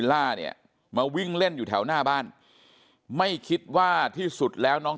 ล่าเนี่ยมาวิ่งเล่นอยู่แถวหน้าบ้านไม่คิดว่าที่สุดแล้วน้อง